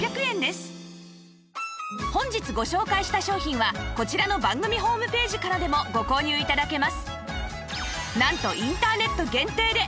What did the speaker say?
さらに本日ご紹介した商品はこちらの番組ホームページからでもご購入頂けます